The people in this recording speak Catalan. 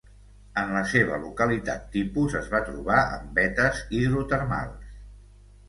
En la seva localitat tipus es va trobar en vetes hidrotermals.